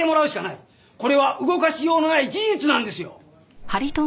これは動かしようのない事実なんですよ！